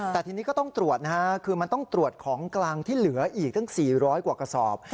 แต่ทีนี้ก็ต้องตรวจนะฮะคือมันต้องตรวจของกลางที่เหลืออีกตั้ง๔๐๐กว่ากระสอบ